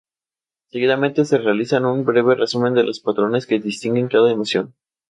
Seguidamente se realiza un breve resumen de los patrones que distinguen cada emoción.